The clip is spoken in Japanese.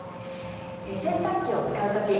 洗濯機を使う時